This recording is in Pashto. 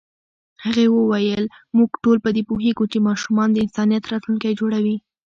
هغې وویل موږ ټول په دې پوهېږو چې ماشومان د انسانیت راتلونکی جوړوي.